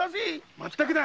まったくだ。